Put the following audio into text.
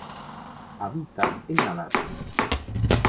Habita en Malasia.